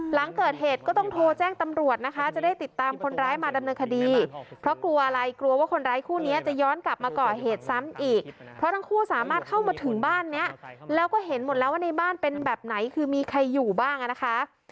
หลังเกิดเหตุก็ต้องโทรแจ้งตำรวจนะคะจะได้ติดตามคนร้ายมาดำเนินคดีเพราะกลัวอะไรกลัวว่าคนร้ายคู่นี้จะย้อนกลับมาก่อเหตุซ้ำอีกเพราะทั้งคู่สามารถเข้ามาถึงบ้านเนี้ยแล้วก็เห็นหมดแล้วว่าในบ้านเป็นแบบไหนคือมีใครอยู่บ้างอ่ะนะคะ